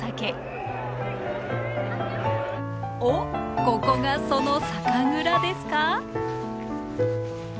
おっここがその酒蔵ですか？